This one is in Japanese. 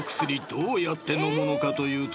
どうやって飲むのかというと］